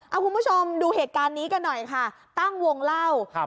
เอาคุณผู้ชมดูเหตุการณ์นี้กันหน่อยค่ะตั้งวงเล่าครับ